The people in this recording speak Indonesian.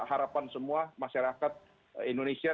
harapan semua masyarakat indonesia